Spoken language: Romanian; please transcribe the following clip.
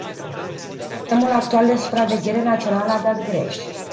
Sistemul actual de supraveghere națională a dat greș.